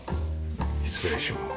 失礼します。